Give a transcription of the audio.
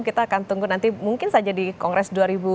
kita akan tunggu nanti mungkin saja di kongres dua ribu dua puluh